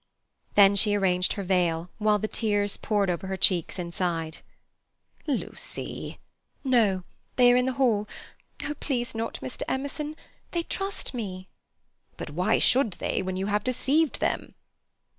'" Then she arranged her veil, while the tears poured over her cheeks inside. "Lucy—" "No—they are in the hall—oh, please not, Mr. Emerson—they trust me—" "But why should they, when you have deceived them?"